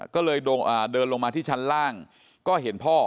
ก็เลยเดินลงมาที่ชั้นล่างก็เห็นพ่อ